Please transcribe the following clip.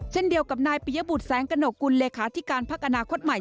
เช่นเดียวกับนายปิยบุตรแสงกระหนกกุลเลขาธิการพักอนาคตใหม่